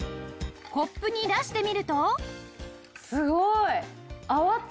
コップに出してみると。